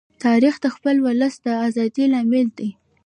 تاریخ د خپل ولس د ازادۍ لامل دی.